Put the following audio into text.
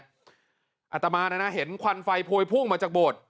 อาตมานะนะเห็นควันไฟพวยพุ่งมาจากโบสถ์